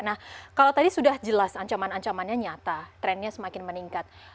nah kalau tadi sudah jelas ancaman ancamannya nyata trennya semakin meningkat